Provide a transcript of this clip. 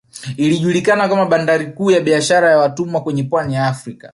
Ilijulikana kama bandari kuu ya biashara ya watumwa kwenye pwani ya Afrika